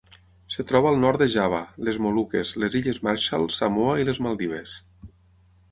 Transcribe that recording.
Es troba al nord de Java, les Moluques, les Illes Marshall, Samoa i les Maldives.